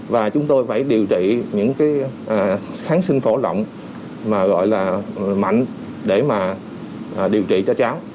và chúng tôi phải điều trị những cái kháng sinh phổ rộng mà gọi là mạnh để mà điều trị cho cháu